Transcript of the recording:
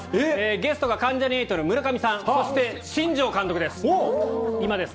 ゲストが関ジャニ∞の村上さん、そして新庄監督です。